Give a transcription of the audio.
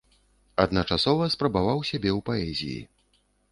Адначасова спрабаваў сябе ў паэзіі.